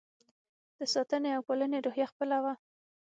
د ساتنې او پالنې روحیه خپله وه.